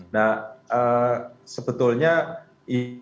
nah sebetulnya ini